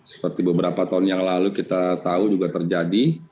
seperti beberapa tahun yang lalu kita tahu juga terjadi